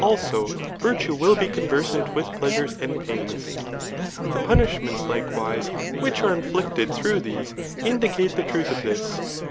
also virtue will bt l»twwsmt with pfeasures and pains* The puni^ments, ijim^be, which sure inflicted through these, indicate tfa^ 'iQlth of this.